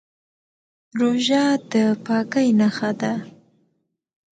روژه د پاکۍ نښه ده.